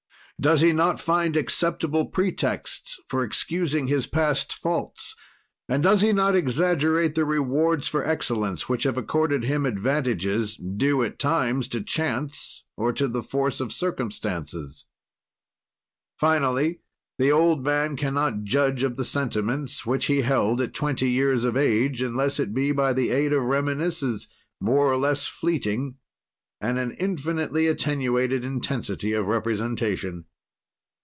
"Does he not find acceptable pretexts for excusing his past faults and does he not exaggerate the rewards for excellence, which have accorded him advantages, due at times to chance or to the force of circumstances? "Finally, the old man can not judge of the sentiments which he held at twenty years of age, unless it be by the aid of reminiscences, more or less fleeting, and an infinitely attenuated intensity of representation.